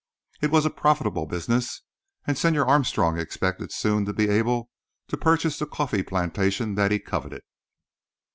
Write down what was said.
It was a profitable business, and Señor Armstrong expected soon to be able to purchase the coffee plantation that he coveted.